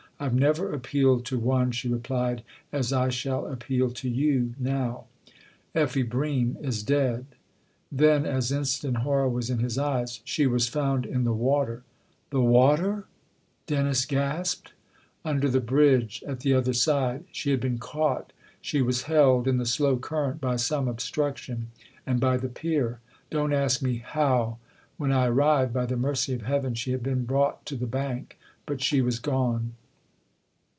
" I've never appealed to one," she replied, " as I shall appeal to you now. Effie Bream is dead." Then as instant horror was in his eyes :" She was found in the water." " The water ?" Dennis gasped. " Under the bridge at the other side. She had been caught, she was held, in the slow current by some obstruction, and by the pier. Don't ask me how when I arrived, by the mercy of heaven, she THE OTHER HOUSE 263 had been brought to the bank. But she was gone."